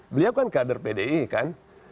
beliau kan kader pdi kan